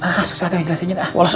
ah susah deh jelasin aja ah